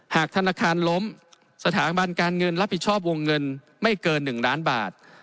หากธนาคารล้มสถาบันการเงินรับผิดชอบวงเงินไม่เกิน๑ล้านบาท